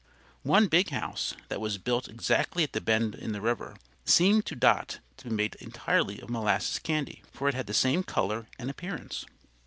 One big house, that was built exactly at the bend in the river, seemed to Dot to be made entirely of molasses candy, for it had the same color and appearance.